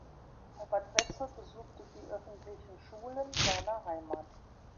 Robert Wetzel besuchte die öffentlichen Schulen seiner Heimat.